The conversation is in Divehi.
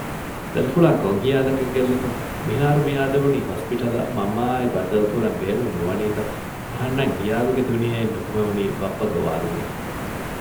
ދަރިފުޅާ ކޮންހިޔާލަކަށް ގެއްލިފަ! މިހާރުމިއާދެވުނީ ހޮސްޕިޓަލަށް މަންމައާއި ބައްދަލުކުރަން ބޭނުންނުވަނީތަ؟ އަހަންނަށް ހިޔާލުގެ ދުނިޔެއިން ނިކުމެވުނީ ބައްޕަ ގޮވާލުމުން